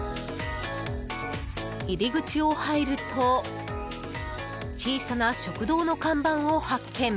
入り口を入ると小さな食堂の看板を発見。